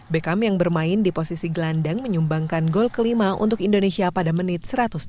beckham yang bermain di posisi gelandang menyumbangkan gol kelima untuk indonesia pada menit satu ratus dua puluh